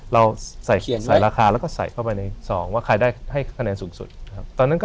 เราใส่ราคาแล้วก็ใยเข้าไปในสองค่ายได้ให้คำสูดครับ